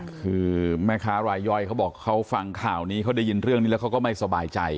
คือแม่ค้ารายย่อยเขาบอกเขาฟังข่าวนี้เขาได้ยินเรื่องนี้แล้วเขาก็ไม่สบายใจ